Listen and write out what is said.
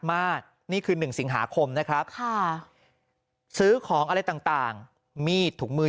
นี่คือ๑สิงหาคมนะครับซื้อของอะไรต่างมีดถุงมือ